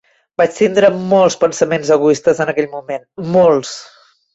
Vaig tindre molts pensaments egoistes en aquell moment, molts!